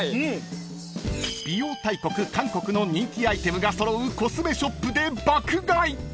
［美容大国韓国の人気アイテムが揃うコスメショップで爆買い！］